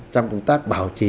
trong công tác bảo trì